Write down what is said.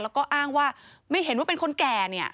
แล้วก็อ้างว่าไม่เห็นว่าเป็นคนแก่เนี่ย